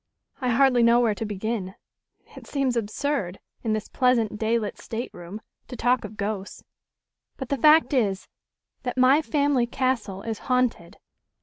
"I hardly know where to begin. It seems absurd in this pleasant day lit stateroom to talk of ghosts. But the fact is that my family castle is haunted."